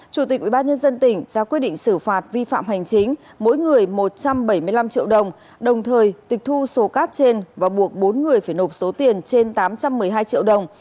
chủ tịch ubnd tỉnh ra quyết định xử phạt vi phạm hành chính mỗi người một trăm bảy mươi năm triệu đồng đồng thời tịch thu số cát trên và buộc bốn người phải nộp số tiền trên tám trăm một mươi hai triệu đồng